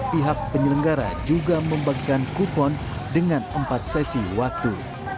pihak penyelenggara juga membagikan kupon dengan empat sesi waktu